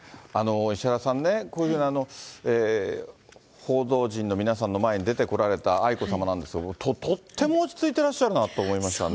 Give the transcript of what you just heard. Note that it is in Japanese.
石原さんね、こういうような報道陣の皆さんの前に出てこられた愛子さまなんですけど、とっても落ち着いてらっしゃるなと思いましたね。